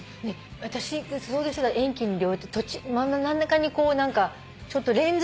私が想像してた遠近両用って真ん中にこう何かちょっとレンズの。